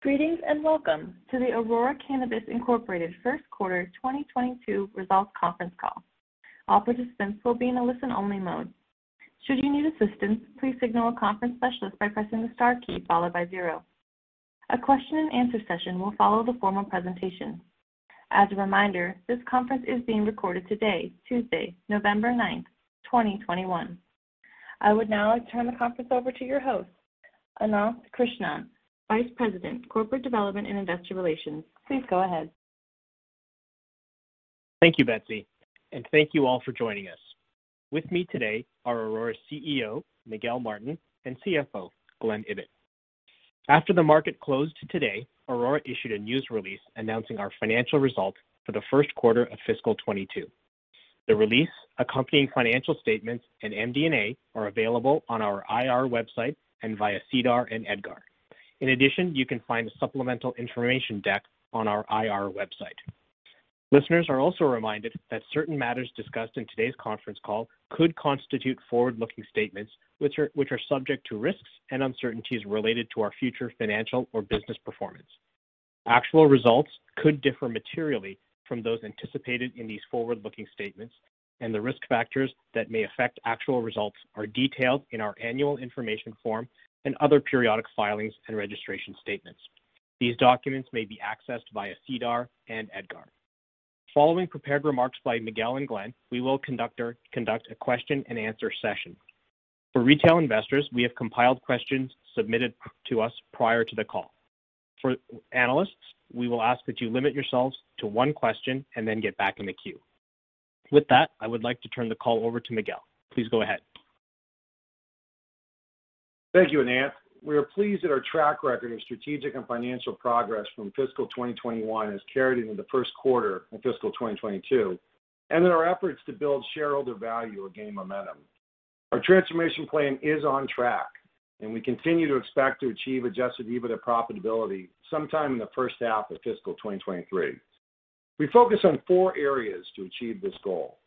Greetings and welcome to the Aurora Cannabis Inc. Q1 2022 Results Conference Call. All participants will be in a listen-only mode. Should you need assistance, please signal a conference specialist by pressing the star key followed by zero. A question and answer session will follow the formal presentation. As a reminder, this conference is being recorded today, Tuesday, November 9, 2021. I would now like to turn the conference over to your host, Ananth Krishnan, Vice President, Corporate Development and Investor Relations. Please go ahead. Thank you, Betsy, and thank you all for joining us. With me today are Aurora's CEO, Miguel Martin, and CFO, Glen Ibbott. After the market closed today, Aurora issued a news release announcing our financial results for the first quarter of fiscal 2022. The release, accompanying financial statements, and MD&A are available on our IR website and via SEDAR and EDGAR. In addition, you can find the supplemental information deck on our IR website. Listeners are also reminded that certain matters discussed in today's conference call could constitute forward-looking statements which are subject to risks and uncertainties related to our future financial or business performance. Actual results could differ materially from those anticipated in these forward-looking statements and the risk factors that may affect actual results are detailed in our annual information form and other periodic filings and registration statements. These documents may be accessed via SEDAR and EDGAR. Following prepared remarks by Miguel and Glen, we will conduct a question and answer session. For retail investors, we have compiled questions submitted to us prior to the call. For analysts, we will ask that you limit yourselves to one question and then get back in the queue. With that, I would like to turn the call over to Miguel. Please go ahead. Thank you, Ananth Krishnan. We are pleased that our track record of strategic and financial progress from fiscal 2021 has carried into the Q1 of fiscal 2022, and that our efforts to build shareholder value are gaining momentum. Our transformation plan is on track, and we continue to expect to achieve adjusted EBITDA profitability sometime in the Q1 of fiscal 2023. We focus on four areas to achieve this goal.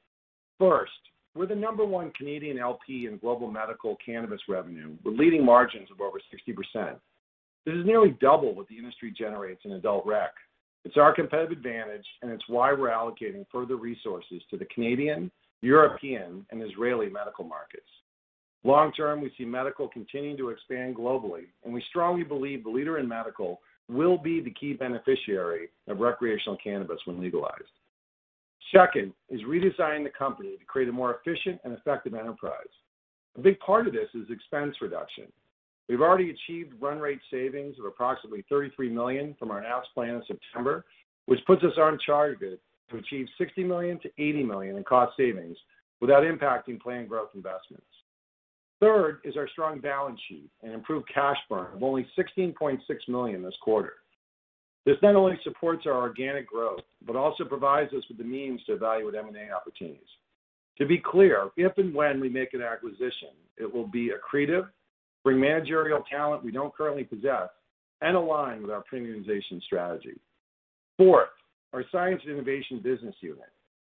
First, we're the number one Canadian LP in global medical cannabis revenue, with leading margins of over 60%. This is nearly double what the industry generates in adult rec. It's our competitive advantage, and it's why we're allocating further resources to the Canadian, European, and Israeli medical markets. Long term, we see medical continuing to expand globally, and we strongly believe the leader in medical will be the key beneficiary of recreational cannabis when legalized. Second is redesigning the company to create a more efficient and effective enterprise. A big part of this is expense reduction. We've already achieved run rate savings of approximately 33 million from our announced plan in September, which puts us on target to achieve 60 million-80 million in cost savings without impacting planned growth investments. Third is our strong balance sheet and improved cash burn of only 16.6 million this quarter. This not only supports our organic growth, but also provides us with the means to evaluate M&A opportunities. To be clear, if and when we make an acquisition, it will be accretive, bring managerial talent we don't currently possess, and align with our premiumization strategy. Fourth, our science and innovation business unit.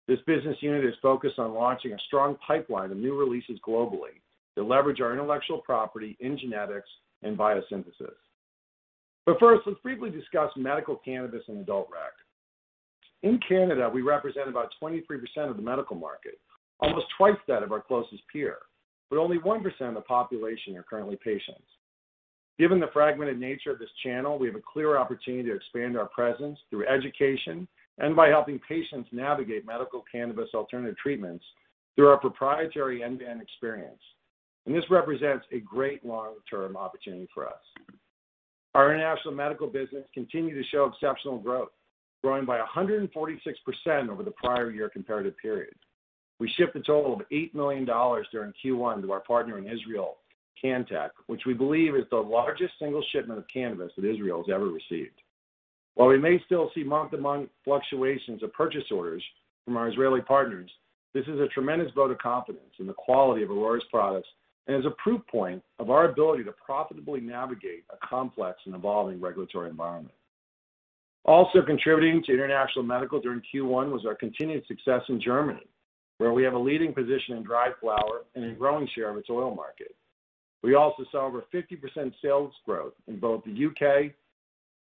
This business unit is focused on launching a strong pipeline of new releases globally to leverage our intellectual property in genetics and biosynthesis. First, let's briefly discuss medical cannabis and adult rec. In Canada, we represent about 23% of the medical market, almost twice that of our closest peer, but only 1% of the population are currently patients. Given the fragmented nature of this channel, we have a clear opportunity to expand our presence through education and by helping patients navigate medical cannabis alternative treatments through our proprietary end-to-end experience. This represents a great long-term opportunity for us. Our international medical business continued to show exceptional growth, growing by 146% over the prior year comparative period. We shipped a total of 8 million dollars during Q1 to our partner in Israel, Cantek, which we believe is the largest single shipment of cannabis that Israel has ever received. While we may still see month-to-month fluctuations of purchase orders from our Israeli partners, this is a tremendous vote of confidence in the quality of Aurora's products and is a proof point of our ability to profitably navigate a complex and evolving regulatory environment. Also contributing to international medical during Q1 was our continued success in Germany, where we have a leading position in dried flower and a growing share of its oil market. We also saw over 50% sales growth in both the U.K.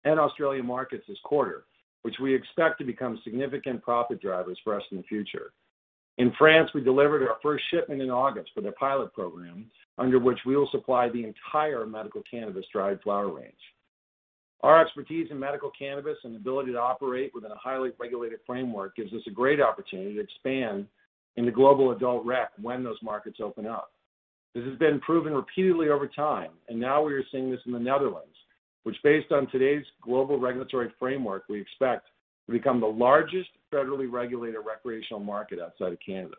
and Australian markets this quarter, which we expect to become significant profit drivers for us in the future. In France, we delivered our first shipment in August for their pilot program, under which we will supply the entire medical cannabis dried flower range. Our expertise in medical cannabis and ability to operate within a highly regulated framework gives us a great opportunity to expand in the global adult rec when those markets open up. This has been proven repeatedly over time, and now we are seeing this in the Netherlands, which based on today's global regulatory framework, we expect to become the largest federally regulated recreational market outside of Canada.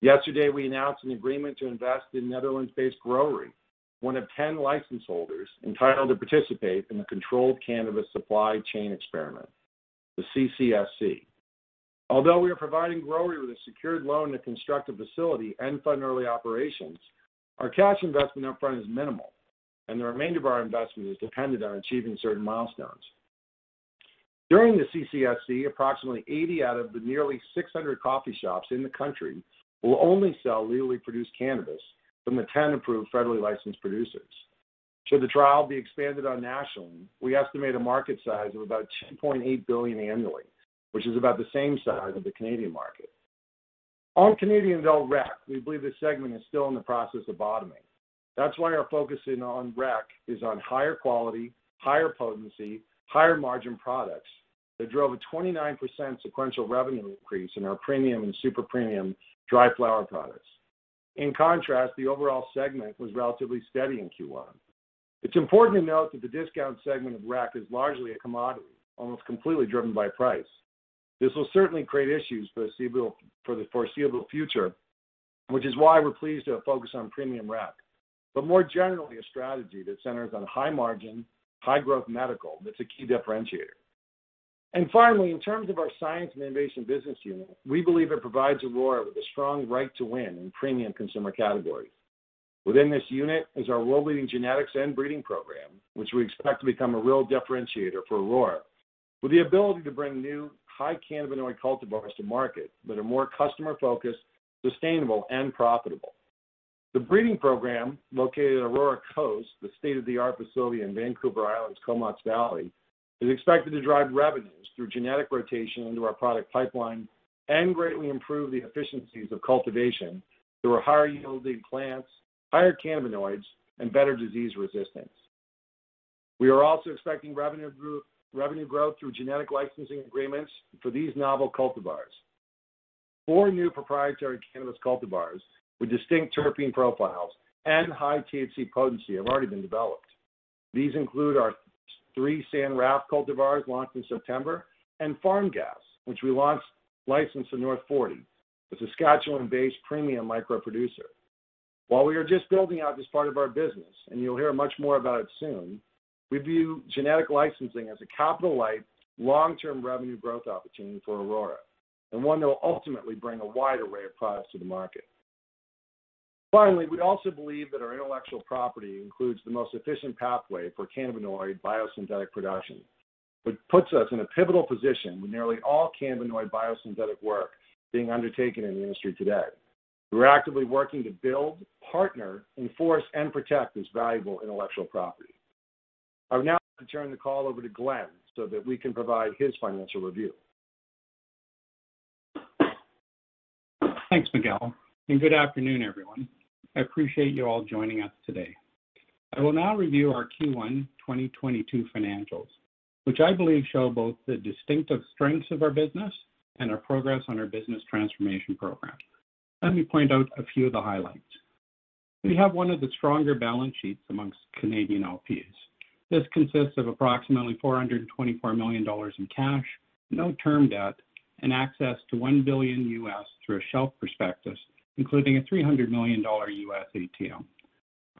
Yesterday, we announced an agreement to invest in Netherlands-based Growery, one of 10 license holders entitled to participate in the Controlled Cannabis Supply Chain Experiment, the CCSC. Although we are providing Growery with a secured loan to construct a facility and fund early operations, our cash investment up front is minimal, and the remainder of our investment is dependent on achieving certain milestones. During the CCSC, approximately 80 out of the nearly 600 coffee shops in the country will only sell legally produced cannabis from the 10 approved federally licensed producers. Should the trial be expanded on nationally, we estimate a market size of about 2.8 billion annually, which is about the same size as the Canadian market. On Canadian adult rec, we believe this segment is still in the process of bottoming. That's why we're focusing on rec is on higher quality, higher potency, higher margin products that drove a 29% sequential revenue increase in our premium and super premium dry flower products. In contrast, the overall segment was relatively steady in Q1. It's important to note that the discount segment of rec is largely a commodity, almost completely driven by price. This will certainly create issues for the foreseeable future, which is why we're pleased to have focused on premium rec, but more generally, a strategy that centers on high margin, high growth medical that's a key differentiator. Finally, in terms of our science and innovation business unit, we believe it provides Aurora with a strong right to win in premium consumer categories. Within this unit is our world-leading genetics and breeding program, which we expect to become a real differentiator for Aurora, with the ability to bring new high cannabinoid cultivars to market that are more customer-focused, sustainable, and profitable. The breeding program located at Aurora Coast, the state-of-the-art facility in Vancouver Island's Comox Valley, is expected to drive revenues through genetic rotation into our product pipeline and greatly improve the efficiencies of cultivation through our higher-yielding plants, higher cannabinoids, and better disease resistance. We are also expecting revenue growth through genetic licensing agreements for these novel cultivars. 4 new proprietary cannabis cultivars with distinct terpene profiles and high THC potency have already been developed. These include our three San Rafael cultivars launched in September, and Farm Gas, which we launched licensed to North Forty, the Saskatchewan-based premium microproducer. While we are just building out this part of our business, and you'll hear much more about it soon, we view genetic licensing as a capital-light, long-term revenue growth opportunity for Aurora, and one that will ultimately bring a wide array of products to the market. Finally, we also believe that our intellectual property includes the most efficient pathway for cannabinoid biosynthetic production, which puts us in a pivotal position with nearly all cannabinoid biosynthetic work being undertaken in the industry today. We're actively working to build, partner, enforce, and protect this valuable intellectual property. I would now like to turn the call over to Glen so that we can provide his financial review. Thanks, Miguel, and good afternoon, everyone. I appreciate you all joining us today. I will now review our Q1 2022 financials, which I believe show both the distinctive strengths of our business and our progress on our business transformation program. Let me point out a few of the highlights. We have one of the stronger balance sheets amongst Canadian LPs. This consists of approximately 424 million dollars in cash, no term debt, and access to $1 billion through a shelf prospectus, including a $300 million US ATM.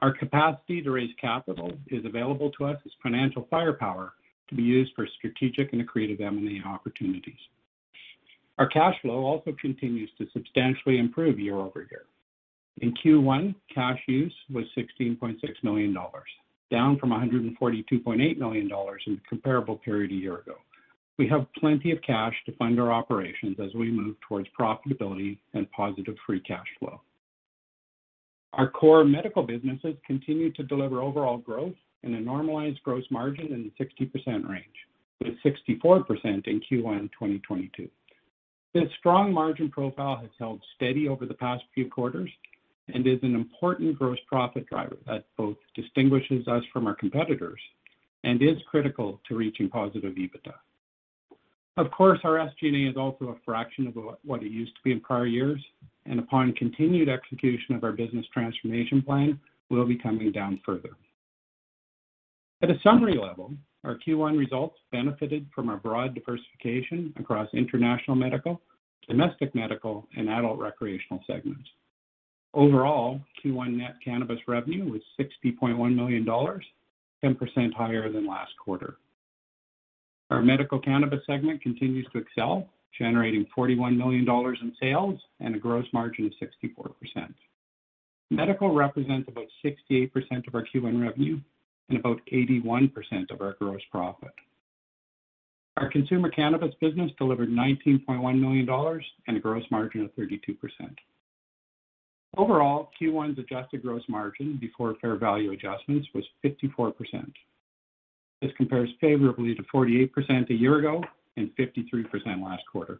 Our capacity to raise capital is available to us as financial firepower to be used for strategic and accretive M&A opportunities. Our cash flow also continues to substantially improve year-over-year. In Q1, cash use was 16.6 million dollars, down from 142.8 million dollars in the comparable period a year ago. We have plenty of cash to fund our operations as we move towards profitability and positive free cash flow. Our core medical businesses continue to deliver overall growth and a normalized gross margin in the 60% range, with 64% in Q1 2022. This strong margin profile has held steady over the past few quarters and is an important gross profit driver that both distinguishes us from our competitors and is critical to reaching positive EBITDA. Of course, our SG&A is also a fraction of what it used to be in prior years, and upon continued execution of our business transformation plan, will be coming down further. At a summary level, our Q1 results benefited from our broad diversification across international medical, domestic medical, and adult recreational segments. Overall, Q1 net cannabis revenue was 60.1 million dollars, 10% higher than last quarter. Our medical cannabis segment continues to excel, generating 41 million dollars in sales and a gross margin of 64%. Medical represents about 68% of our Q1 revenue and about 81% of our gross profit. Our consumer cannabis business delivered 19.1 million dollars and a gross margin of 32%. Overall, Q1's adjusted gross margin before fair value adjustments was 54%. This compares favorably to 48% a year ago and 53% last quarter.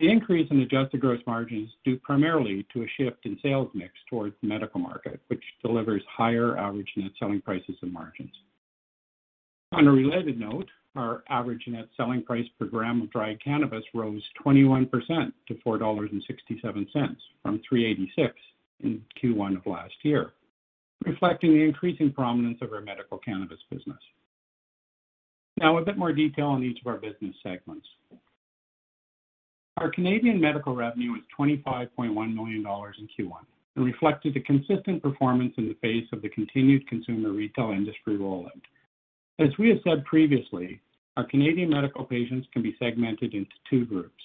The increase in adjusted gross margin is due primarily to a shift in sales mix towards the medical market, which delivers higher average net selling prices and margins. On a related note, our average net selling price per gram of dried cannabis rose 21% to 4.67 dollars from 3.86 in Q1 of last year, reflecting the increasing prominence of our medical cannabis business. Now a bit more detail on each of our business segments. Our Canadian medical revenue was 25.1 million dollars in Q1 and reflected a consistent performance in the face of the continued consumer retail industry rollout. As we have said previously, our Canadian medical patients can be segmented into two groups,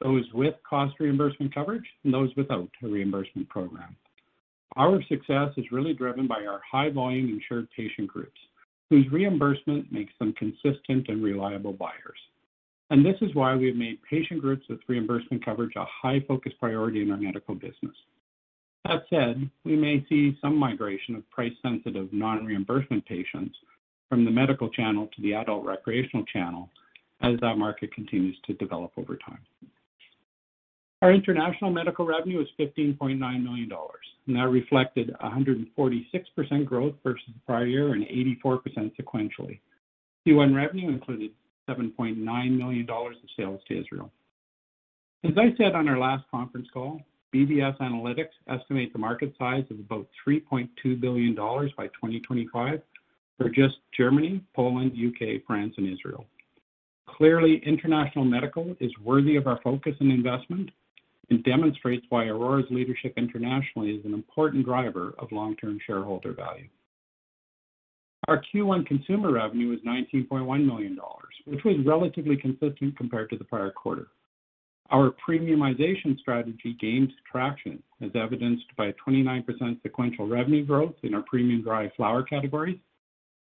those with cost reimbursement coverage and those without a reimbursement program. Our success is really driven by our high volume insured patient groups, whose reimbursement makes them consistent and reliable buyers. This is why we have made patient groups with reimbursement coverage a high focus priority in our medical business. That said, we may see some migration of price-sensitive non-reimbursement patients from the medical channel to the adult recreational channel as that market continues to develop over time. Our international medical revenue is 15.9 million dollars, and that reflected 146% growth versus the prior year and 84% sequentially. Q1 revenue included 7.9 million dollars of sales to Israel. As I said on our last conference call, BDSA Analytics estimate the market size of about 3.2 billion dollars by 2025 for just Germany, Poland, U.K., France, and Israel. Clearly, international medical is worthy of our focus and investment and demonstrates why Aurora's leadership internationally is an important driver of long-term shareholder value. Our Q1 consumer revenue is 19.1 million dollars, which was relatively consistent compared to the prior quarter. Our premiumization strategy gains traction, as evidenced by a 29% sequential revenue growth in our premium dry flower category,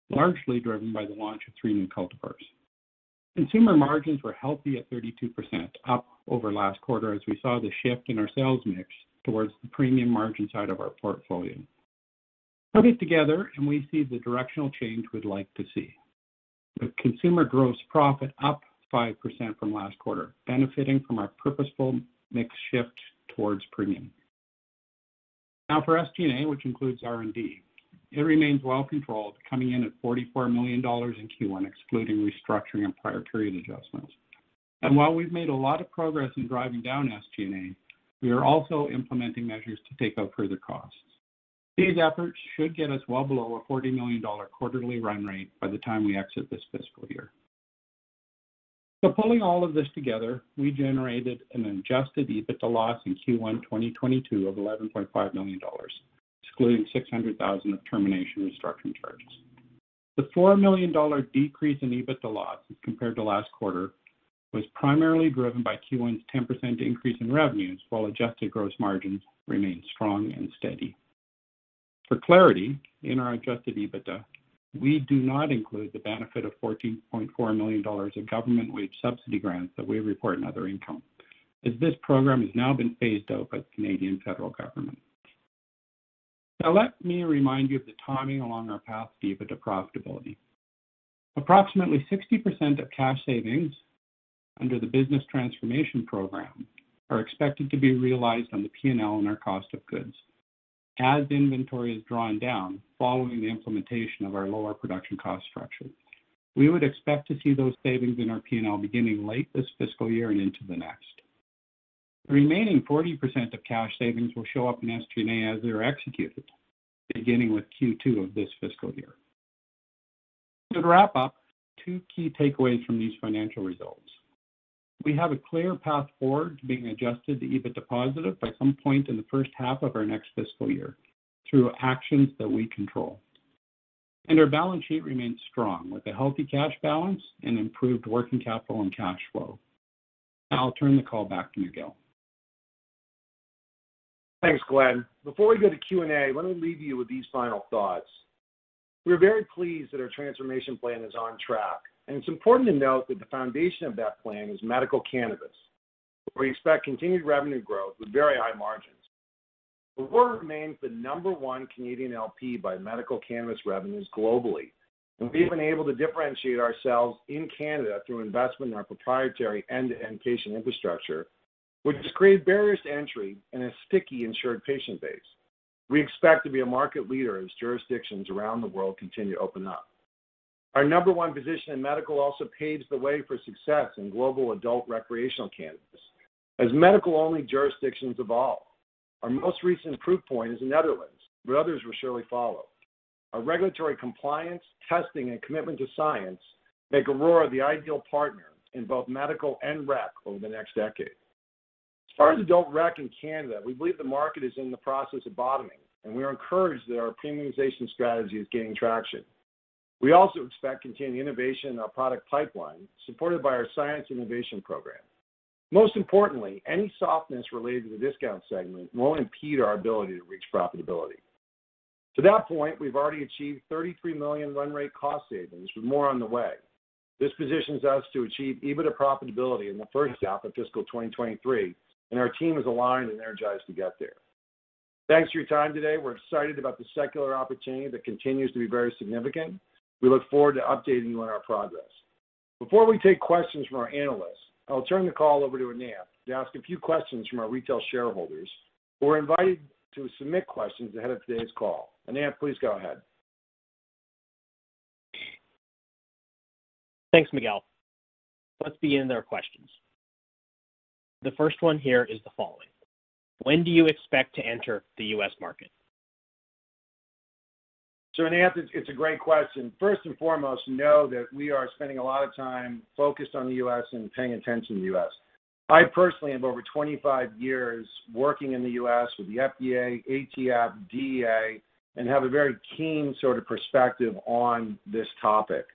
largely driven by the launch of 3 new cultivars. Consumer margins were healthy at 32%, up over last quarter as we saw the shift in our sales mix towards the premium margin side of our portfolio. Put it together, and we see the directional change we'd like to see. With consumer gross profit up 5% from last quarter, benefiting from our purposeful mix shift towards premium. Now for SG&A, which includes R&D, it remains well controlled, coming in at 44 million dollars in Q1, excluding restructuring and prior period adjustments. While we've made a lot of progress in driving down SG&A, we are also implementing measures to take out further costs. These efforts should get us well below a 40 million dollar quarterly run rate by the time we exit this fiscal year. Pulling all of this together, we generated an adjusted EBITDA loss in Q1 2022 of 11.5 million dollars, excluding 600,000 of termination restructuring charges. The 4 million dollar decrease in EBITDA loss as compared to last quarter was primarily driven by Q1's 10% increase in revenues, while adjusted gross margin remained strong and steady. For clarity, in our adjusted EBITDA, we do not include the benefit of 14.4 million dollars in government wage subsidy grants that we report in other income, as this program has now been phased out by the Canadian federal government. Now, let me remind you of the timing along our path to EBITDA profitability. Approximately 60% of cash savings under the business transformation program are expected to be realized on the P&L and our cost of goods. As inventory is drawn down following the implementation of our lower production cost structure, we would expect to see those savings in our P&L beginning late this fiscal year and into the next. The remaining 40% of cash savings will show up in SG&A as they are executed, beginning with Q2 of this fiscal year. To wrap up, two key takeaways from these financial results. We have a clear path forward to being adjusted to EBITDA positive by some point in the H1 of our next fiscal year through actions that we control. Our balance sheet remains strong with a healthy cash balance and improved working capital and cash flow. Now I'll turn the call back to Miguel. Thanks, Glen. Before we go to Q&A, let me leave you with these final thoughts. We're very pleased that our transformation plan is on track, and it's important to note that the foundation of that plan is medical cannabis. We expect continued revenue growth with very high margins. Aurora remains the number one Canadian LP by medical cannabis revenues globally, and we've been able to differentiate ourselves in Canada through investment in our proprietary end-to-end patient infrastructure, which has created barriers to entry and a sticky insured patient base. We expect to be a market leader as jurisdictions around the world continue to open up. Our number one position in medical also paves the way for success in global adult recreational cannabis. As medical-only jurisdictions evolve, our most recent proof point is the Netherlands, but others will surely follow. Our regulatory compliance, testing, and commitment to science make Aurora the ideal partner in both medical and rec over the next decade. As far as adult rec in Canada, we believe the market is in the process of bottoming, and we are encouraged that our premiumization strategy is gaining traction. We also expect continued innovation in our product pipeline, supported by our science innovation program. Most importantly, any softness related to the discount segment won't impede our ability to reach profitability. To that point, we've already achieved 33 million run rate cost savings, with more on the way. This positions us to achieve EBITDA profitability in the H1 of fiscal 2023, and our team is aligned and energized to get there. Thanks for your time today. We're excited about the secular opportunity that continues to be very significant. We look forward to updating you on our progress. Before we take questions from our analysts, I will turn the call over to Ananth to ask a few questions from our retail shareholders who were invited to submit questions ahead of today's call. Ananth, please go ahead. Thanks, Miguel. Let's begin the questions. The first one here is the following: When do you expect to enter the U.S. market? Ananth, it's a great question. First and foremost, know that we are spending a lot of time focused on the U.S. and paying attention to the U.S. I personally have over 25 years working in the U.S. with the FDA, ATF, DEA, and have a very keen sort of perspective on this topic.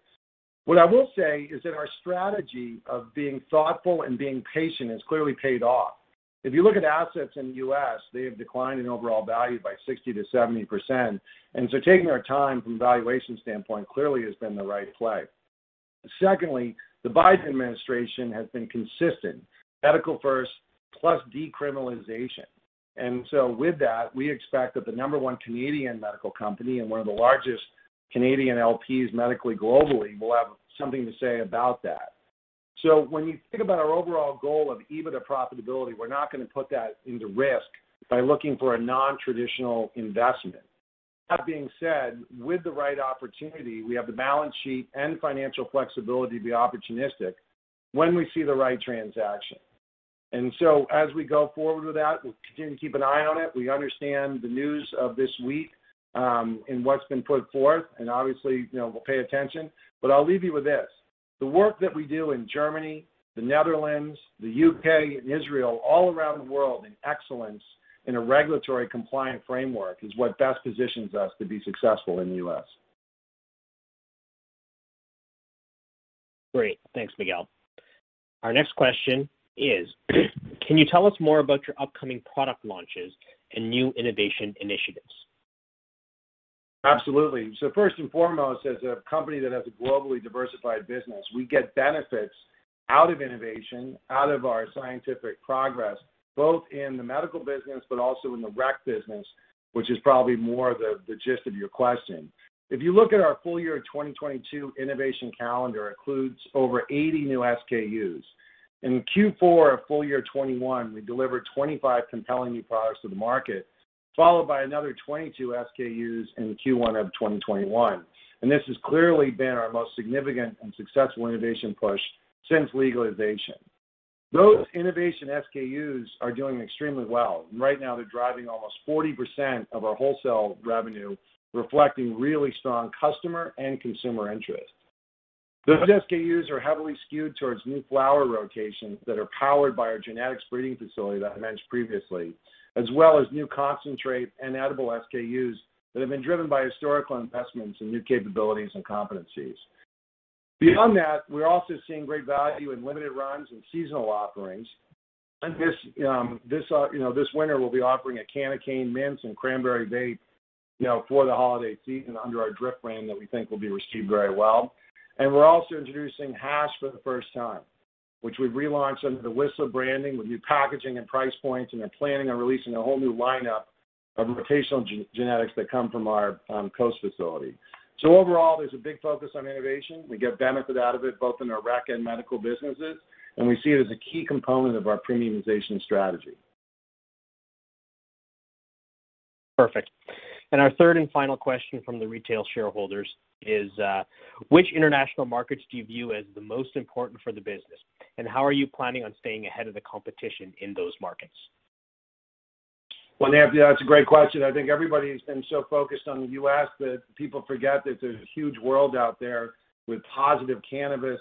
What I will say is that our strategy of being thoughtful and being patient has clearly paid off. If you look at assets in the U.S., they have declined in overall value by 60%-70%. Taking our time from a valuation standpoint clearly has been the right play. Secondly, the Biden administration has been consistent, medical first, plus decriminalization. With that, we expect that the number one Canadian medical company and one of the largest Canadian LPs medically globally will have something to say about that. When you think about our overall goal of EBITDA profitability, we're not going to put that into risk by looking for a nontraditional investment. That being said, with the right opportunity, we have the balance sheet and financial flexibility to be opportunistic when we see the right transaction. As we go forward with that, we'll continue to keep an eye on it. We understand the news of this week, and what's been put forth, and obviously, you know, we'll pay attention. I'll leave you with this. The work that we do in Germany, the Netherlands, the U.K., and Israel, all around the world in excellence in a regulatory compliant framework is what best positions us to be successful in the U.S. Great. Thanks, Miguel. Our next question is, can you tell us more about your upcoming product launches and new innovation initiatives? Absolutely. First and foremost, as a company that has a globally diversified business, we get benefits out of innovation, out of our scientific progress, both in the medical business but also in the rec business, which is probably more the gist of your question. If you look at our full year of 2022 innovation calendar, it includes over 80 new SKUs. In Q4 of full year 2021, we delivered 25 compelling new products to the market, followed by another 22 SKUs in Q1 of 2021. This has clearly been our most significant and successful innovation push since legalization. Those innovation SKUs are doing extremely well. Right now, they're driving almost 40% of our wholesale revenue, reflecting really strong customer and consumer interest. Those SKUs are heavily skewed towards new flower rotations that are powered by our genetics breeding facility that I mentioned previously, as well as new concentrate and edible SKUs that have been driven by historical investments and new capabilities and competencies. Beyond that, we're also seeing great value in limited runs and seasonal offerings. This winter, you know, we'll be offering a candy cane mint and cranberry vape, you know, for the holiday season under our Drift brand that we think will be received very well. We're also introducing hash for the first time, which we've relaunched under the Whistler branding with new packaging and price points, and they're planning on releasing a whole new lineup of rotational genetics that come from our coast facility. Overall, there's a big focus on innovation. We get benefit out of it both in our rec and medical businesses, and we see it as a key component of our premiumization strategy. Perfect. Our third and final question from the retail shareholders is, which international markets do you view as the most important for the business, and how are you planning on staying ahead of the competition in those markets? Well, that's a great question. I think everybody has been so focused on the U.S. that people forget that there's a huge world out there with positive cannabis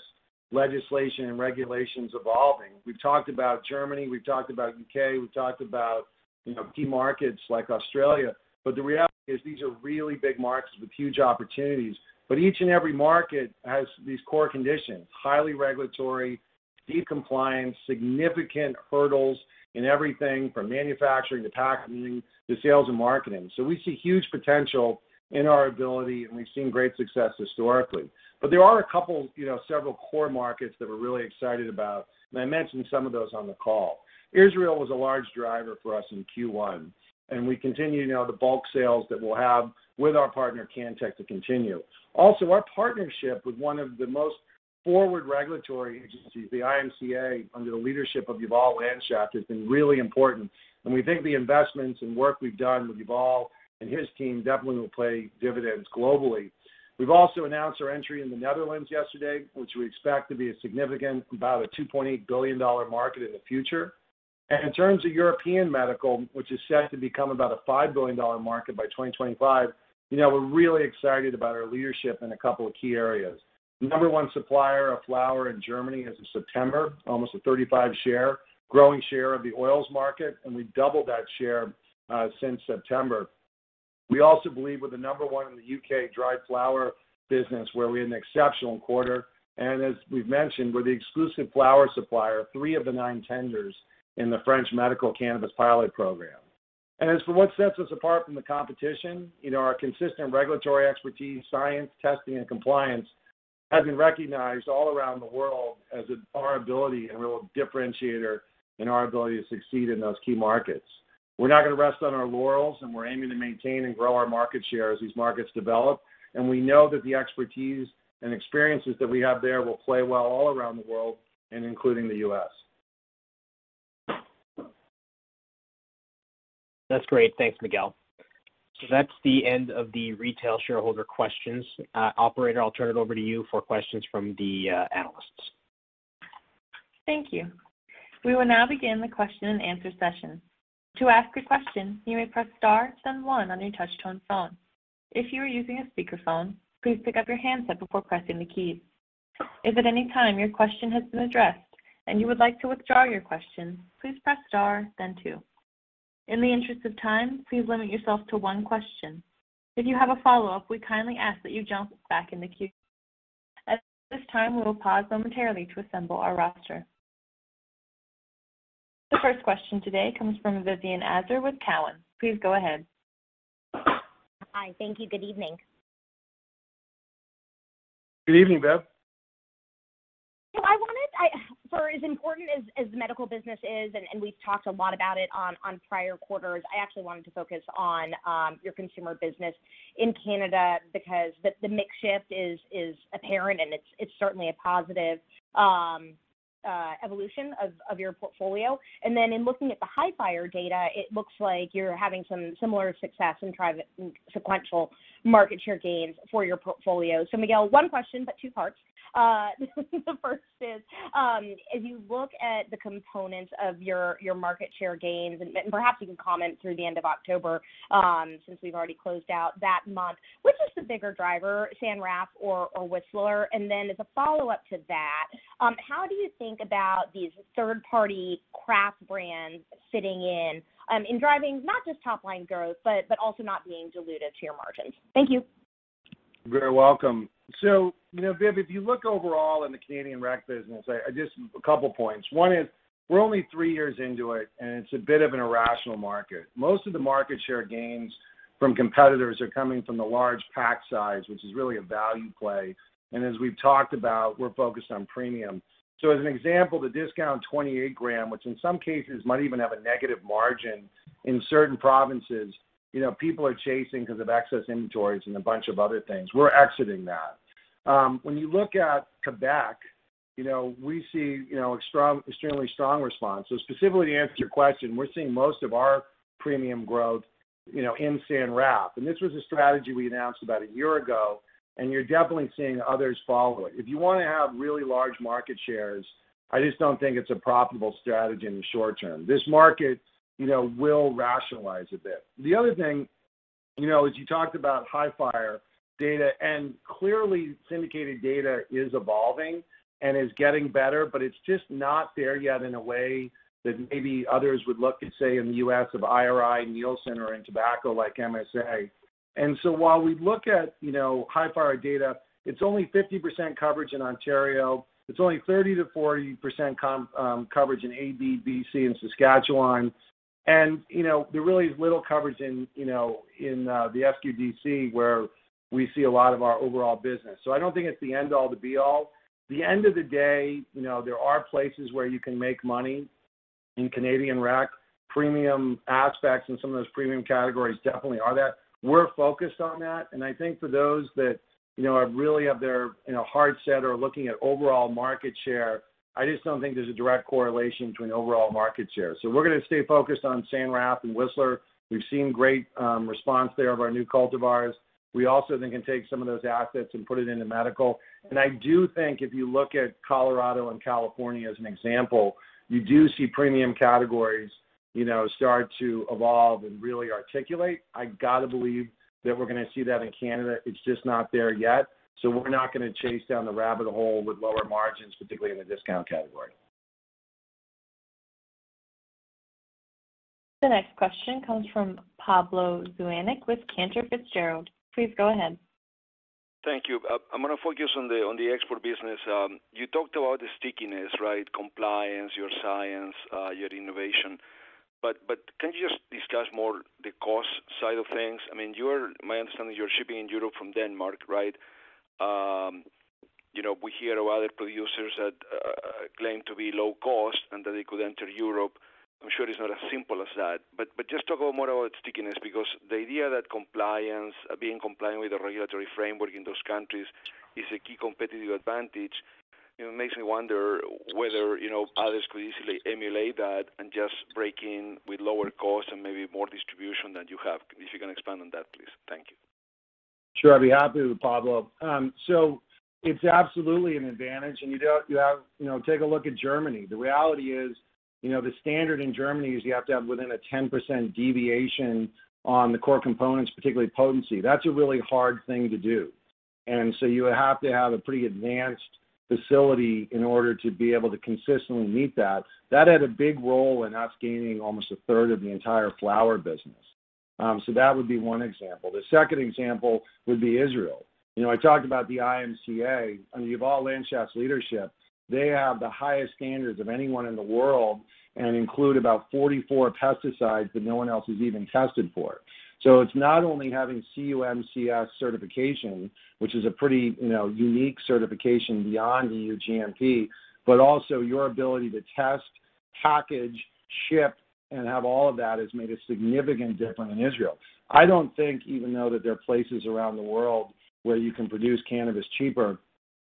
legislation and regulations evolving. We've talked about Germany, we've talked about U.K., we've talked about, you know, key markets like Australia. The reality is these are really big markets with huge opportunities. Each and every market has these core conditions, highly regulatory, deep compliance, significant hurdles in everything from manufacturing to packaging to sales and marketing. We see huge potential in our ability, and we've seen great success historically. There are a couple, you know, several core markets that we're really excited about, and I mentioned some of those on the call. Israel was a large driver for us in Q1, and we continue now the bulk sales that we'll have with our partner, Cantek, to continue. Also, our partnership with one of the most forward regulatory agencies, the IMCA, under the leadership of Yuval Landschaft, has been really important. We think the investments and work we've done with Yuval and his team definitely will pay dividends globally. We've also announced our entry in the Netherlands yesterday, which we expect to be a significant, about a $2.8 billion market in the future. In terms of European medical, which is set to become about a $5 billion market by 2025, you know, we're really excited about our leadership in a couple of key areas. The number one supplier of flower in Germany as of September, almost a 35% share, growing share of the oils market, and we've doubled that share since September. We also believe we're the number one in the U.K. dried flower business, where we had an exceptional quarter. As we've mentioned, we're the exclusive flower supplier of three of the nine tenders in the French medical cannabis pilot program. As for what sets us apart from the competition, you know, our consistent regulatory expertise, science, testing, and compliance has been recognized all around the world as our ability and a little differentiator in our ability to succeed in those key markets. We're not going to rest on our laurels, and we're aiming to maintain and grow our market share as these markets develop. We know that the expertise and experiences that we have there will play well all around the world, and including the U.S. That's great. Thanks, Miguel. That's the end of the retail shareholder questions. Operator, I'll turn it over to you for questions from the analysts. Thank you. We will now begin the question and answer session. To ask a question, you may press star then one on your touch tone phone. If you are using a speakerphone, please pick up your handset before pressing the key. If at any time your question has been addressed and you would like to withdraw your question, please press star then two. In the interest of time, please limit yourself to one question. If you have a follow-up, we kindly ask that you jump back in the queue. At this time, we will pause momentarily to assemble our roster. The first question today comes from Vivien Azer with Cowen. Please go ahead. Hi. Thank you. Good evening. Good evening, Viv. I wanted. For as important as the medical business is, and we've talked a lot about it on prior quarters, I actually wanted to focus on your consumer business in Canada because the mix shift is apparent, and it's certainly a positive evolution of your portfolio. Then in looking at the Hifyre data, it looks like you're having some similar success in prior and sequential market share gains for your portfolio. Miguel, one question, but two parts. The first is, as you look at the components of your market share gains, and perhaps you can comment through the end of October, since we've already closed out that month, which is the bigger driver, San Rafael '71 or Whistler? As a follow-up to that, how do you think about these third-party craft brands sitting in driving not just top-line growth, but also not being diluted to your margins? Thank you. You're welcome. You know, Viv, if you look overall in the Canadian rec business, I just a couple of points. One is we're only three years into it, and it's a bit of an irrational market. Most of the market share gains from competitors are coming from the large pack size, which is really a value play. As we've talked about, we're focused on premium. As an example, the discount 28-gram, which in some cases might even have a negative margin in certain provinces, you know, people are chasing because of excess inventories and a bunch of other things. We're exiting that. When you look at Quebec, you know, we see, you know, extremely strong response. Specifically, to answer your question, we're seeing most of our premium growth, you know, in San Rafael '71. This was a strategy we announced about a year ago, and you're definitely seeing others follow it. If you wanna have really large market shares, I just don't think it's a profitable strategy in the short term. This market, you know, will rationalize a bit. The other thing, you know, as you talked about Hifyre data and clearly syndicated data is evolving and is getting better, but it's just not there yet in a way that maybe others would look and say in the U.S. or IRI, Nielsen or in tobacco like MSA. While we look at, you know, Hifyre data, it's only 50% coverage in Ontario, it's only 30%-40% combined coverage in AB, BC, and Saskatchewan. You know, there really is little coverage in the SQDC, where we see a lot of our overall business. I don't think it's the end all to be all. The end of the day, you know, there are places where you can make money in Canadian rec, premium aspects, and some of those premium categories definitely are that. We're focused on that, and I think for those that, you know, really have their, you know, heart set or looking at overall market share, I just don't think there's a direct correlation between overall market share. We're gonna stay focused on SanRaf and Whistler. We've seen great response there of our new cultivars. We also then can take some of those assets and put it into medical. I do think if you look at Colorado and California as an example, you do see premium categories, you know, start to evolve and really articulate. I got to believe that we're gonna see that in Canada. It's just not there yet. We're not gonna chase down the rabbit hole with lower margins, particularly in the discount category. The next question comes from Pablo Zuanic with Cantor Fitzgerald. Please go ahead. Thank you. I'm gonna focus on the export business. You talked about the stickiness, right? Compliance, your science, your innovation. But can you just discuss more the cost side of things? I mean, my understanding is you're shipping in Europe from Denmark, right? You know, we hear of other producers that claim to be low cost and that they could enter Europe. I'm sure it's not as simple as that, but just talk more about stickiness, because the idea that compliance, being compliant with the regulatory framework in those countries is a key competitive advantage, you know, makes me wonder whether, you know, others could easily emulate that and just break in with lower costs and maybe more distribution than you have. If you can expand on that, please. Thank you. Sure. I'd be happy to, Pablo. It's absolutely an advantage. You know, take a look at Germany. The reality is, you know, the standard in Germany is you have to have within a 10% deviation on the core components, particularly potency. That's a really hard thing to do. You have to have a pretty advanced facility in order to be able to consistently meet that. That had a big role in us gaining almost a third of the entire flower business. That would be one example. The second example would be Israel. You know, I talked about the IMCA. Under Yuval Landschaft's leadership, they have the highest standards of anyone in the world and include about 44 pesticides that no one else has even tested for. It's not only having CUMCS certification, which is a pretty, you know, unique certification beyond EU GMP, but also your ability to test, package, ship, and have all of that has made a significant difference in Israel. I don't think even though that there are places around the world where you can produce cannabis cheaper,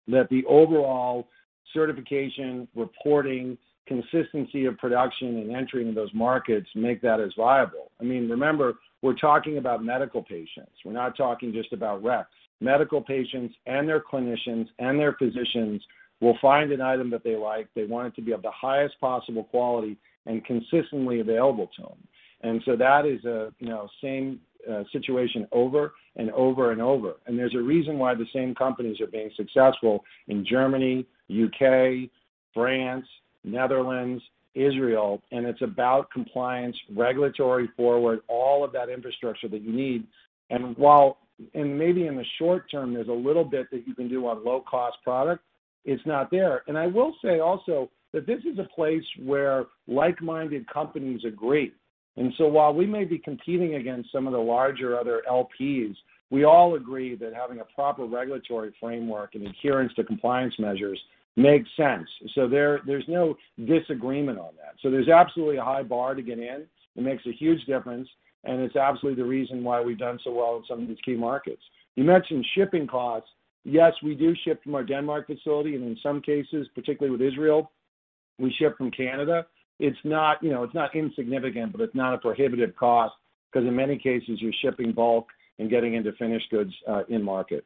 that the overall certification, reporting, consistency of production and entering those markets make that as viable. I mean, remember, we're talking about medical patients. We're not talking just about rec. Medical patients and their clinicians and their physicians will find an item that they like. They want it to be of the highest possible quality and consistently available to them. That is a, you know, same situation over and over and over. There's a reason why the same companies are being successful in Germany, U.K., France, Netherlands, Israel, and it's about compliance, regulatory forward, all of that infrastructure that you need. While maybe in the short term, there's a little bit that you can do on low-cost product, it's not there. I will say also that this is a place where like-minded companies agree. While we may be competing against some of the larger other LPs, we all agree that having a proper regulatory framework and adherence to compliance measures makes sense. There, there's no disagreement on that. There's absolutely a high bar to get in. It makes a huge difference, and it's absolutely the reason why we've done so well in some of these key markets. You mentioned shipping costs. Yes, we do ship from our Denmark facility, and in some cases, particularly with Israel, we ship from Canada. It's not, you know, it's not a prohibitive cost because in many cases, you're shipping bulk and getting into finished goods, in-market.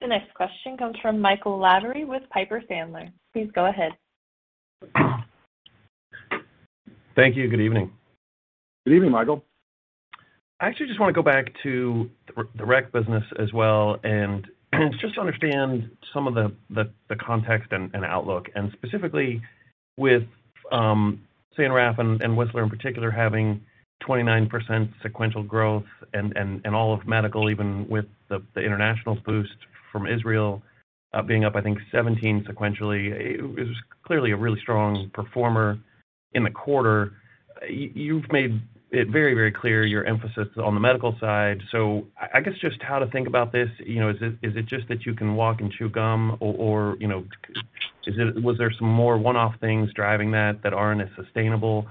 The next question comes from Michael Lavery with Piper Sandler. Please go ahead. Thank you. Good evening. Good evening, Michael. I actually just want to go back to the rec business as well, and just to understand some of the context and outlook, and specifically with San Rafael '71 and Whistler in particular, having 29% sequential growth and all of medical, even with the international boost from Israel, being up 17% sequentially, it was clearly a really strong performer in the quarter. You've made it very, very clear your emphasis is on the medical side. I guess just how to think about this, you know, is it just that you can walk and chew gum or, you know, was there some more one-off things driving that that aren't as sustainable?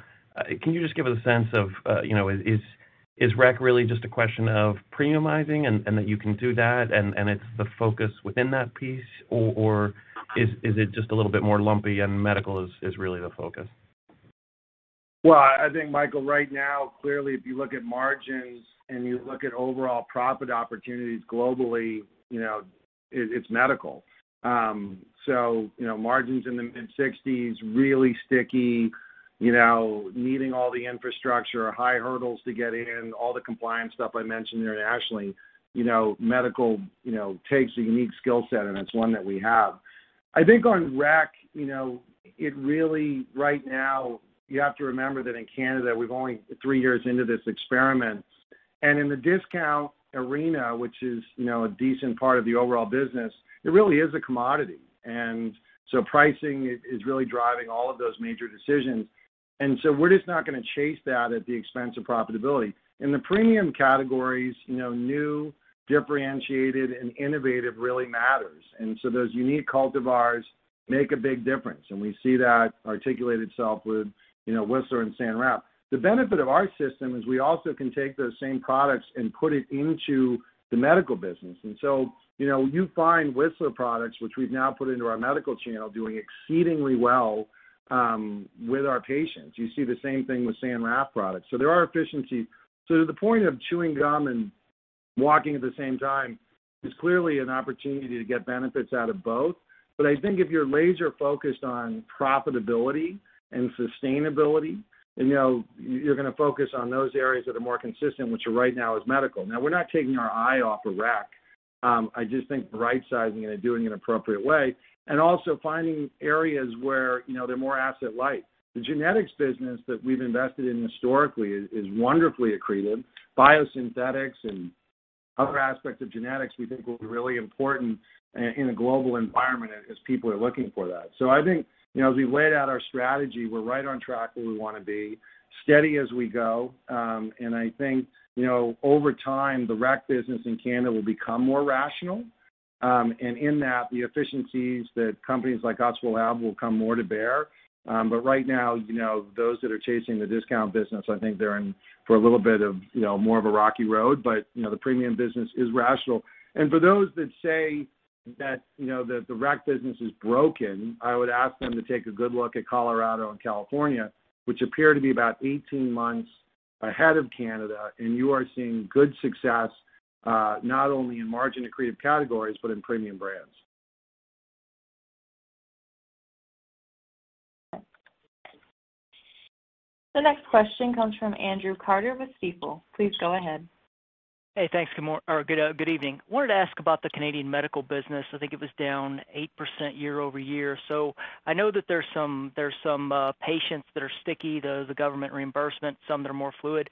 Can you just give us a sense of, you know, is rec really just a question of premiumizing and that you can do that and it's the focus within that piece or is it just a little bit more lumpy and medical is really the focus? Well, I think, Michael, right now, clearly, if you look at margins and you look at overall profit opportunities globally, you know, it's medical. So you know, margins in the mid-sixties, really sticky, you know, needing all the infrastructure, high hurdles to get in, all the compliance stuff I mentioned internationally. You know, medical, you know, takes a unique skill set, and it's one that we have. I think on rec, you know, it really right now, you have to remember that in Canada, we're only three years into this experiment. In the discount arena, which is, you know, a decent part of the overall business, it really is a commodity. Pricing is really driving all of those major decisions. We're just not gonna chase that at the expense of profitability. In the premium categories, you know, new, differentiated, and innovative really matters. Those unique cultivars make a big difference. We see that articulate itself with, you know, Whistler and San Rafael '71. The benefit of our system is we also can take those same products and put it into the medical business. You know, you find Whistler products, which we've now put into our medical channel, doing exceedingly well with our patients. You see the same thing with San Rafael '71 products. There are efficiencies. To the point of chewing gum and walking at the same time is clearly an opportunity to get benefits out of both. I think if you're laser-focused on profitability and sustainability, you know, you're gonna focus on those areas that are more consistent, which right now is medical. Now, we're not taking our eye off of rec. I just think right-sizing it and doing it in an appropriate way and also finding areas where, you know, they're more asset light. The genetics business that we've invested in historically is wonderfully accretive. Biosynthetics and other aspects of genetics we think will be really important in a global environment as people are looking for that. I think, you know, as we laid out our strategy, we're right on track where we wanna be, steady as we go. I think, you know, over time, the rec business in Canada will become more rational, and in that, the efficiencies that companies like us will have will come more to bear. Right now, you know, those that are chasing the discount business, I think they're in for a little bit of, you know, more of a rocky road. You know, the premium business is rational. For those that say that, you know, the rec business is broken, I would ask them to take a good look at Colorado and California, which appear to be about 18 months ahead of Canada, and you are seeing good success, not only in margin-accretive categories, but in premium brands. The next question comes from Andrew Carter with Stifel. Please go ahead. Hey, thanks. Good evening. Wanted to ask about the Canadian medical business. I think it was down 8% year-over-year. I know that there's some patients that are sticky, the government reimbursement, some that are more fluid.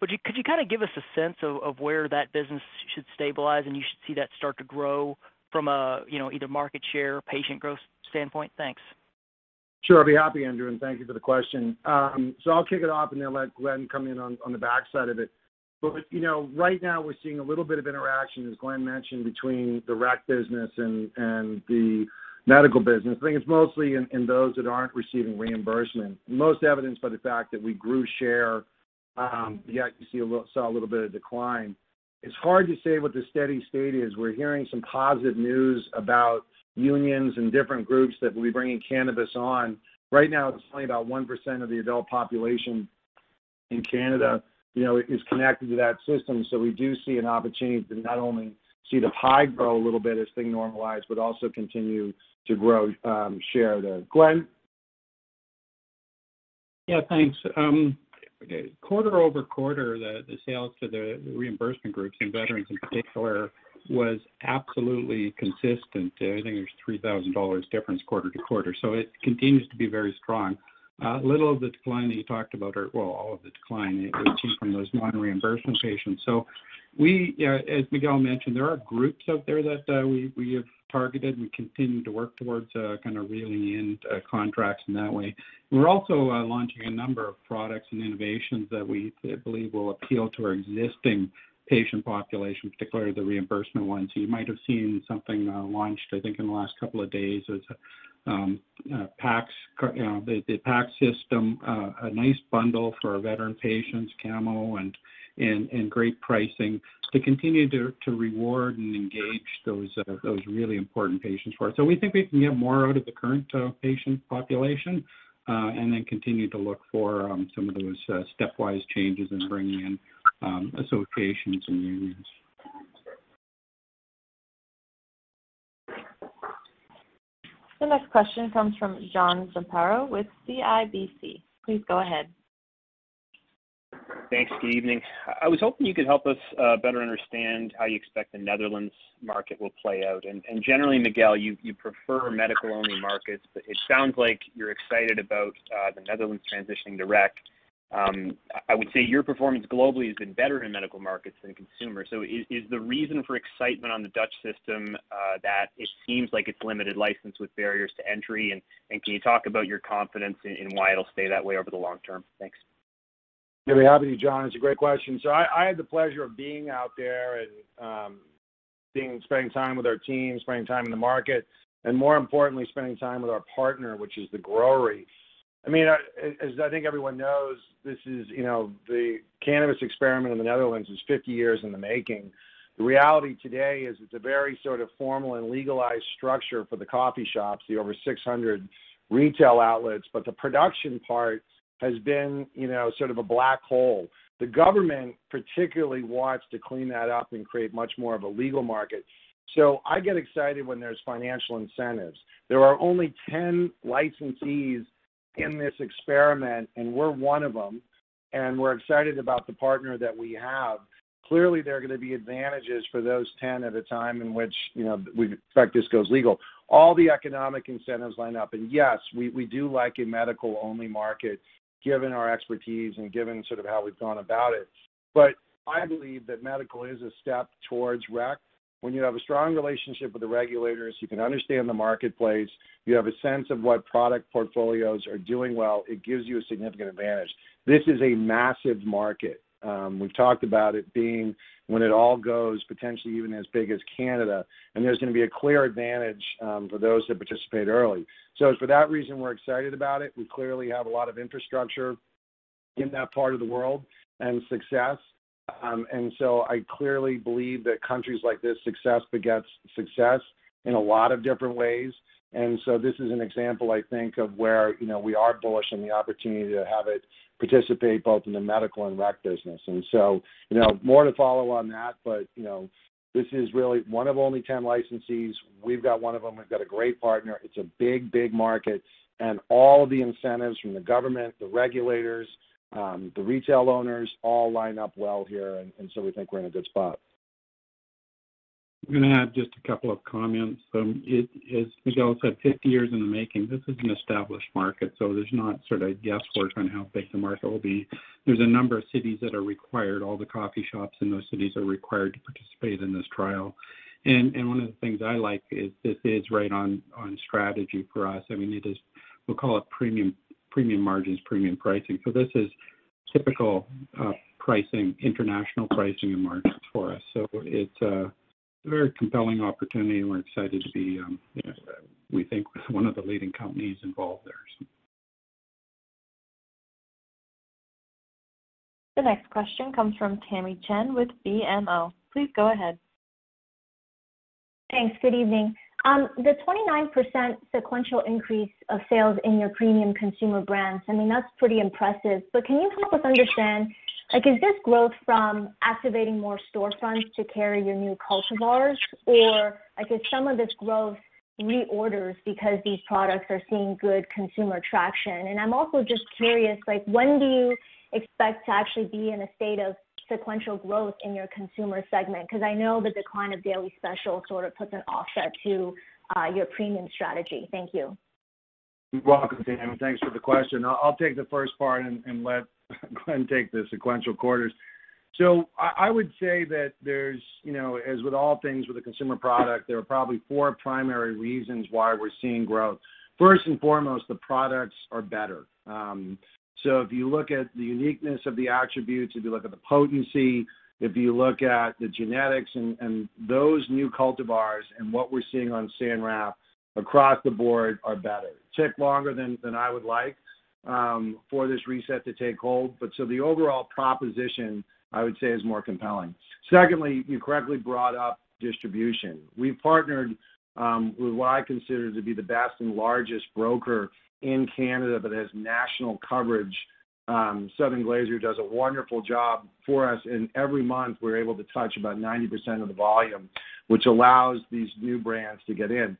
Could you kinda give us a sense of where that business should stabilize and you should see that start to grow from a you know either market share or patient growth standpoint? Thanks. Sure. I'll be happy, Andrew, and thank you for the question. I'll kick it off and then let Glen come in on the backside of it. You know, right now we're seeing a little bit of interaction, as Glen mentioned, between the rec business and the medical business. I think it's mostly in those that aren't receiving reimbursement. Most evidenced by the fact that we grew share, yet you saw a little bit of decline. It's hard to say what the steady state is. We're hearing some positive news about unions and different groups that will be bringing cannabis on. Right now, it's only about 1% of the adult population in Canada, you know, is connected to that system. We do see an opportunity to not only see the pie grow a little bit as things normalize, but also continue to grow share there. Glen. Yeah, thanks. Quarter-over-quarter, the sales to the reimbursement groups and veterans in particular was absolutely consistent. I think there's 3,000 dollars difference quarter-over-quarter. So it continues to be very strong. Little of the decline that you talked about, or well, all of the decline achieved from those non-reimbursement patients. So, as Miguel mentioned, there are groups out there that we have targeted. We continue to work towards kind of reeling in contracts in that way. We're also launching a number of products and innovations that we believe will appeal to our existing patient population, particularly the reimbursement ones. You might have seen something launched, I think, in the last couple of days. It's PAX, you know, the PAX system, a nice bundle for our veteran patients, camo and great pricing to continue to reward and engage those really important patients for us. We think we can get more out of the current patient population and then continue to look for some of those stepwise changes in bringing in associations and unions. The next question comes from John Zamparo with CIBC. Please go ahead. Thanks. Good evening. I was hoping you could help us better understand how you expect the Netherlands market will play out. And generally, Miguel, you prefer medical-only markets, but it sounds like you're excited about the Netherlands transitioning to rec. I would say your performance globally has been better in medical markets than consumer. So is the reason for excitement on the Dutch system that it seems like it's limited license with barriers to entry? And can you talk about your confidence in why it'll stay that way over the long term? Thanks. Yeah. I'll be happy to, John. It's a great question. I had the pleasure of being out there and spending time with our team, spending time in the market, and more importantly, spending time with our partner, which is the grower. I mean, as I think everyone knows, this is, you know, the cannabis experiment in the Netherlands is 50 years in the making. The reality today is it's a very sort of formal and legalized structure for the coffee shops, the over 600 retail outlets. But the production part has been, you know, sort of a black hole. The government particularly wants to clean that up and create much more of a legal market. I get excited when there's financial incentives. There are only 10 licensees in this experiment, and we're one of them, and we're excited about the partner that we have. Clearly, there are gonna be advantages for those ten at a time in which, you know, practice goes legal. All the economic incentives line up. Yes, we do like a medical-only market, given our expertise and given sort of how we've gone about it. I believe that medical is a step towards rec. When you have a strong relationship with the regulators, you can understand the marketplace, you have a sense of what product portfolios are doing well, it gives you a significant advantage. This is a massive market. We've talked about it being when it all goes potentially even as big as Canada, and there's gonna be a clear advantage for those that participate early. For that reason, we're excited about it. We clearly have a lot of infrastructure in that part of the world and success. I clearly believe that countries like this, success begets success in a lot of different ways. This is an example, I think, of where, you know, we are bullish in the opportunity to have it participate both in the medical and rec business. You know, more to follow on that. This is really one of only 10 licensees. We've got one of them. We've got a great partner. It's a big, big market, and all the incentives from the government, the regulators, the retail owners all line up well here, and so we think we're in a good spot. I'm gonna add just a couple of comments. It is, as Miguel said, 50 years in the making. This is an established market, so there's not sort of guess work on how big the market will be. There's a number of cities that are required. All the coffee shops in those cities are required to participate in this trial. One of the things I like is this is right on strategy for us. I mean, it is, we'll call it premium margins, premium pricing. This is typical, pricing, international pricing and margins for us. It's a very compelling opportunity, and we're excited to be, we think one of the leading companies involved there. The next question comes from Tamy Chen with BMO. Please go ahead. Thanks. Good evening. The 29% sequential increase of sales in your premium consumer brands, I mean, that's pretty impressive. Can you help us understand, like, is this growth from activating more storefronts to carry your new cultivars? Or, like, is some of this growth reorders because these products are seeing good consumer traction? I'm also just curious, like, when do you expect to actually be in a state of sequential growth in your consumer segment? Because I know the decline of Daily Special sort of puts an offset to your premium strategy. Thank you. You're welcome, Tammy. Thanks for the question. I'll take the first part and let Glen take the sequential quarters. I would say that there's, you know, as with all things with a consumer product, there are probably four primary reasons why we're seeing growth. First and foremost, the products are better. If you look at the uniqueness of the attributes, if you look at the potency, if you look at the genetics and those new cultivars and what we're seeing on San Rafael '71, across the board are better. It takes longer than I would like for this reset to take hold. The overall proposition, I would say, is more compelling. Secondly, you correctly brought up distribution. We partnered with what I consider to be the best and largest broker in Canada that has national coverage. Southern Glazer's does a wonderful job for us, and every month we're able to touch about 90% of the volume, which allows these new brands to get in.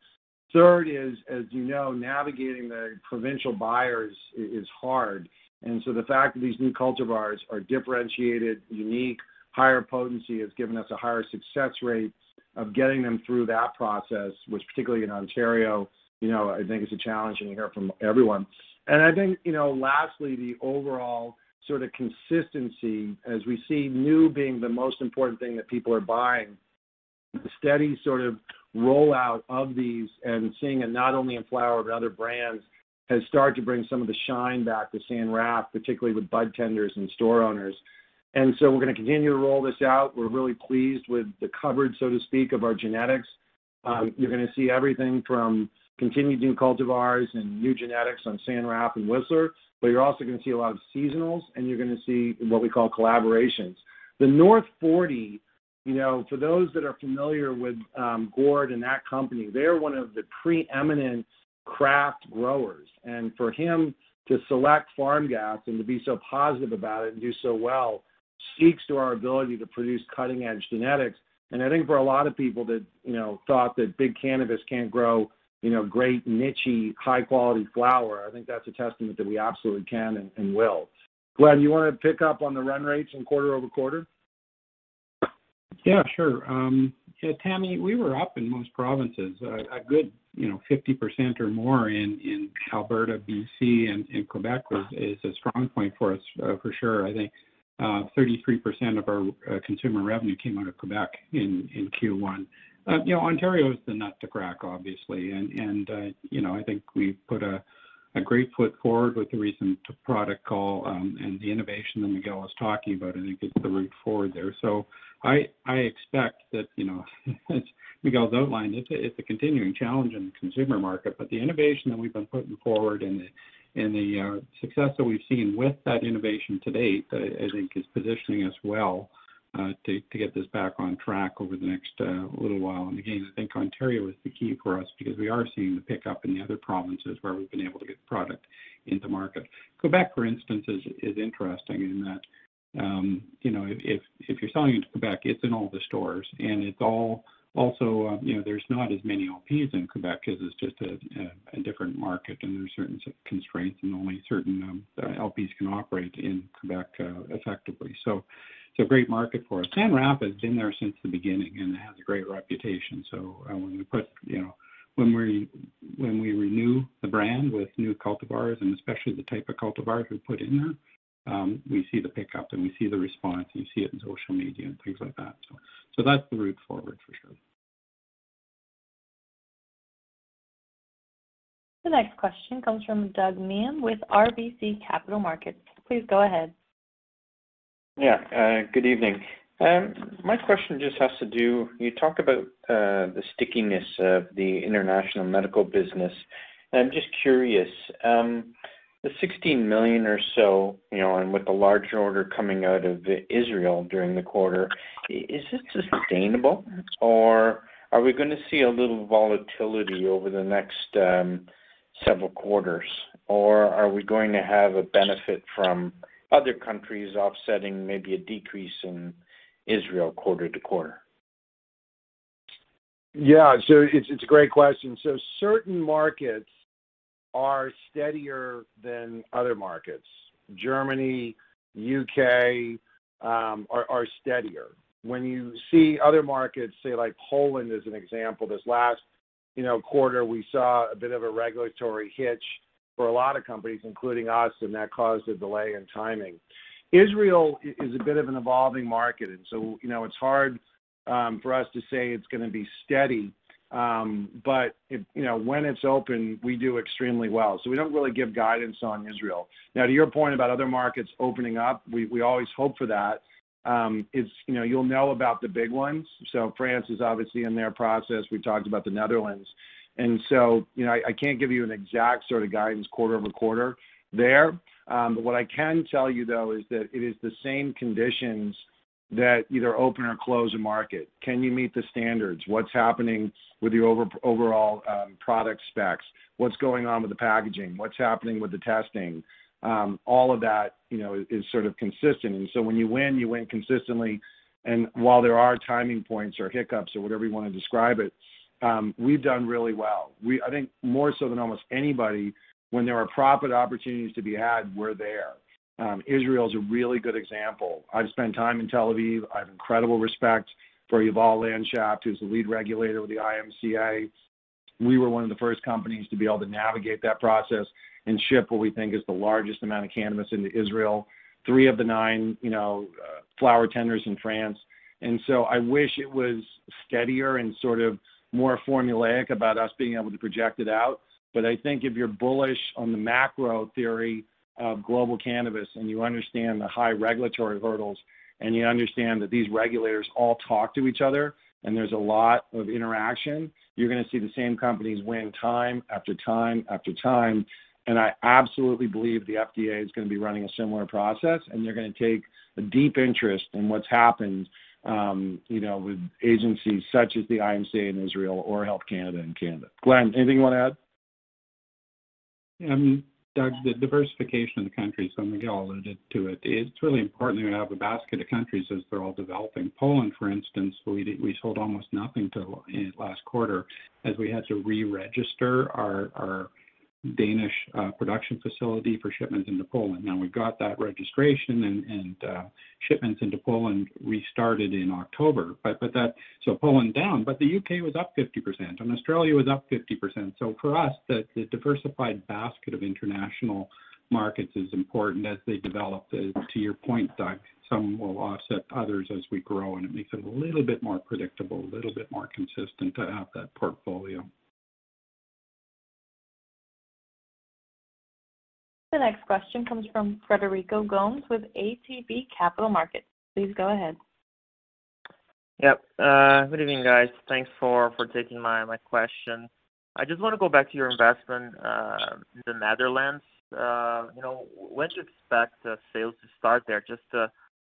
Third, as you know, navigating the provincial buyers is hard. The fact that these new cultivars are differentiated, unique, higher potency has given us a higher success rate of getting them through that process, which particularly in Ontario, you know, I think is a challenge, and you hear from everyone. I think, you know, lastly, the overall sort of consistency as we see new being the most important thing that people are buying, the steady sort of rollout of these and seeing it not only in flower, but other brands, has started to bring some of the shine back to San Rafael, particularly with budtenders and store owners. We're gonna continue to roll this out. We're really pleased with the coverage, so to speak, of our genetics. You're gonna see everything from continued new cultivars and new genetics on San Rafael and Whistler, but you're also gonna see a lot of seasonals, and you're gonna see what we call collaborations. The North Forty, you know, for those that are familiar with, Gord and that company, they're one of the preeminent craft growers. For him to select Farm Gas and to be so positive about it and do so well speaks to our ability to produce cutting-edge genetics. I think for a lot of people that, you know, thought that big cannabis can't grow, you know, great niche-y, high-quality flower, I think that's a testament that we absolutely can and will. Glen, you wanna pick up on the run rates in quarter-over-quarter? Yeah, sure. Yeah, Tammy, we were up in most provinces, a good, you know, 50% or more in Alberta, BC and Quebec is a strong point for us, for sure. I think 33% of our consumer revenue came out of Quebec in Q1. You know, Ontario is the nut to crack, obviously. I think we've put a great foot forward with the recent product call, and the innovation that Miguel was talking about, I think is the route forward there. I expect that, you know, as Miguel's outlined, it's a continuing challenge in the consumer market. The innovation that we've been putting forward and the success that we've seen with that innovation to date, I think is positioning us well, to get this back on track over the next little while. Again, I think Ontario is the key for us because we are seeing the pickup in the other provinces where we've been able to get the product into market. Quebec, for instance, is interesting in that, you know, if you're selling into Quebec, it's in all the stores and it's all also, you know, there's not as many LPs in Quebec because it's just a different market and there's certain constraints and only certain LPs can operate in Quebec, effectively. It's a great market for us. San Rafael has been there since the beginning, and it has a great reputation. You know, when we renew the brand with new cultivars, and especially the type of cultivars we put in there, we see the pickup, and we see the response, and you see it in social media and things like that. That's the route forward for sure. The next question comes from Doug Miehm with RBC Capital Markets. Please go ahead. Yeah. Good evening. My question just has to do. You talk about the stickiness of the international medical business, and I'm just curious, the 16 million or so, you know, and with the larger order coming out of Israel during the quarter, is it sustainable, or are we gonna see a little volatility over the next several quarters, or are we going to have a benefit from other countries offsetting maybe a decrease in Israel quarter to quarter? It's a great question. Certain markets are steadier than other markets. Germany, U.K., are steadier. When you see other markets, say like Poland as an example, this last quarter, you know, we saw a bit of a regulatory hitch for a lot of companies, including us, and that caused a delay in timing. Israel is a bit of an evolving market and, you know, it's hard for us to say it's gonna be steady. But when it's open, we do extremely well. We don't really give guidance on Israel. Now to your point about other markets opening up, we always hope for that. It's, you know, you'll know about the big ones. France is obviously in their process. We talked about the Netherlands. You know, I can't give you an exact sort of guidance quarter-over-quarter there. But what I can tell you, though, is that it is the same conditions that either open or close a market. Can you meet the standards? What's happening with your overall product specs? What's going on with the packaging? What's happening with the testing? All of that, you know, is sort of consistent. When you win, you win consistently. While there are timing points or hiccups or whatever you wanna describe it, we've done really well. I think more so than almost anybody, when there are profit opportunities to be had, we're there. Israel is a really good example. I've spent time in Tel Aviv. I have incredible respect for Yuval Landschaft, who's the lead regulator with the IMCA. We were one of the first companies to be able to navigate that process and ship what we think is the largest amount of cannabis into Israel, three of the nine, you know, flower tenders in France. I wish it was steadier and sort of more formulaic about us being able to project it out. I think if you're bullish on the macro theory of global cannabis and you understand the high regulatory hurdles, and you understand that these regulators all talk to each other and there's a lot of interaction, you're gonna see the same companies win time after time after time. I absolutely believe the FDA is gonna be running a similar process, and they're gonna take a deep interest in what's happened, you know, with agencies such as the IMCA in Israel or Health Canada in Canada. Glen, anything you want to add? Doug, the diversification of the countries, so Miguel alluded to it's really important that we have a basket of countries as they're all developing. Poland, for instance, we sold almost nothing till in last quarter as we had to re-register our Danish production facility for shipments into Poland. Now, we've got that registration, and shipments into Poland restarted in October. But Poland down, but the U.K. was up 50% and Australia was up 50%. For us, the diversified basket of international markets is important as they develop. To your point, Doug, some will offset others as we grow, and it makes it a little bit more predictable, a little bit more consistent to have that portfolio. The next question comes from Frederico Gomes with ATB Capital Markets. Please go ahead. Yep. Good evening, guys. Thanks for taking my question. I just wanna go back to your investment in the Netherlands. You know, when do you expect the sales to start there? Just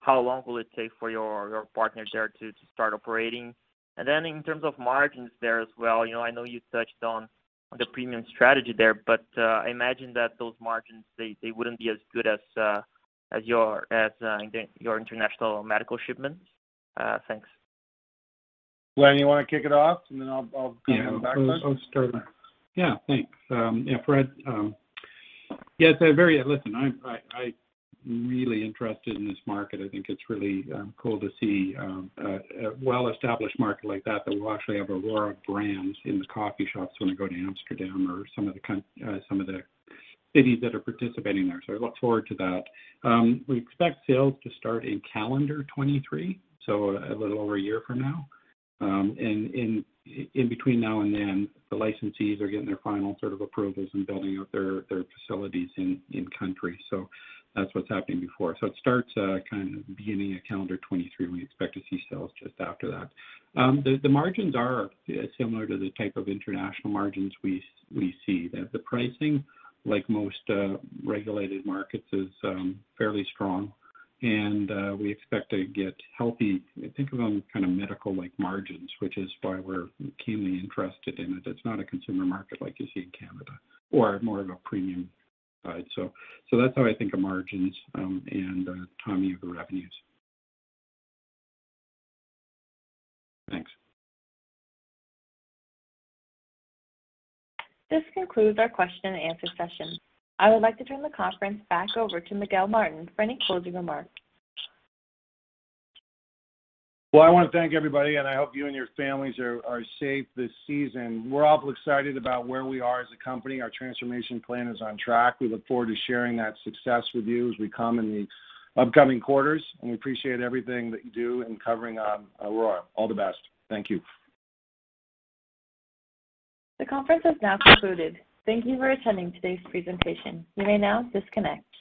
how long will it take for your partner there to start operating? In terms of margins there as well, you know, I know you touched on the premium strategy there, but I imagine that those margins they wouldn't be as good as your international medical shipments. Thanks. Glen, you wanna kick it off and then I'll give background? I'll start. Thanks. Yeah, Frederico, yeah. Listen, I'm really interested in this market. I think it's really cool to see a well-established market like that we'll actually have Aurora brands in the coffee shops when we go to Amsterdam or some of the cities that are participating there. I look forward to that. We expect sales to start in calendar 2023, so a little over a year from now. In between now and then, the licensees are getting their final sort of approvals and building out their facilities in country. That's what's happening before. It starts kind of beginning of calendar 2023. We expect to see sales just after that. The margins are similar to the type of international margins we see. The pricing, like most regulated markets, is fairly strong, and we expect to get healthy, I think, kind of medical-like margins, which is why we're keenly interested in it. It's not a consumer market like you see in Canada, or more of a premium side. That's how I think of margins and timing of the revenues. Thanks. This concludes our question and answer session. I would like to turn the conference back over to Miguel Martin for any closing remarks. Well, I wanna thank everybody, and I hope you and your families are safe this season. We're all excited about where we are as a company. Our transformation plan is on track. We look forward to sharing that success with you as we come in the upcoming quarters, and we appreciate everything that you do in covering Aurora. All the best. Thank you. The conference has now concluded. Thank you for attending today's presentation. You may now disconnect.